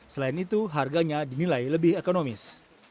selain itu harganya dinilai lebih ekonomis